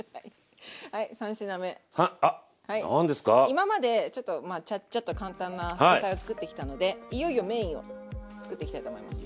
今までちょっとまあちゃっちゃと簡単な副菜を作ってきたのでいよいよメインを作っていきたいと思います。